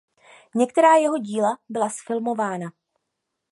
Některá jeho díla byla zfilmována.